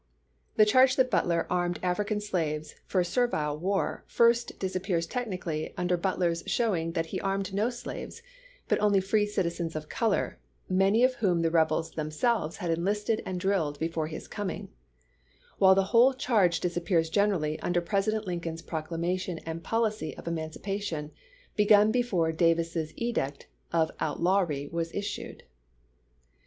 The charge that Butler armed African slaves for a servile war first disap pears technically under Butler's showing that he armed no slaves, but only free citizens of color, many of whom the rebels themselves had enlisted and drilled before his coming; while the whole charge disappears generally under President Lin coln's proclamation and policy of emancipation, begun before Davis's edict of outlawry was issued.